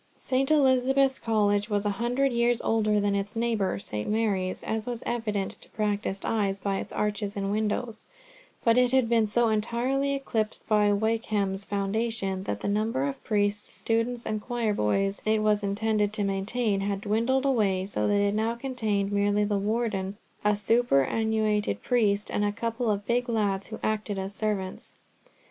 St. Elizabeth's College was a hundred years older than its neighbour St. Mary's, as was evident to practised eyes by its arches and windows, but it had been so entirely eclipsed by Wykeham's foundation that the number of priests, students, and choir boys it was intended to maintain, had dwindled away, so that it now contained merely the Warden, a superannuated priest, and a couple of big lads who acted as servants.